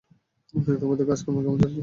তোদের কাজ কর্ম কেমন চলছে?